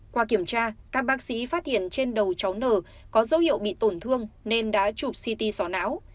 qua kiểm tra các bác sĩ phát hiện trên đầu cháu n có dấu hiệu bị tổn thương nên đã chụp ct xóa não